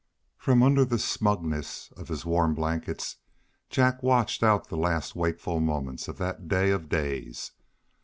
From under the snugness of his warm blankets Jack watched out the last wakeful moments of that day of days.